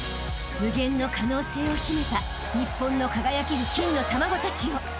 ［無限の可能性を秘めた日本の輝ける金の卵たちよ］